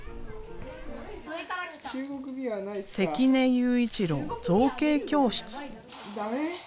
関根悠一郎造形教室。